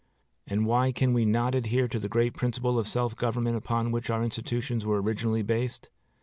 And why can we not adhere to the great principle of self government upon which our institutions were originally based?